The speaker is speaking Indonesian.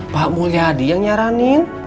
pak mulyadi yang nyaranin